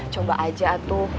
coba aja tuh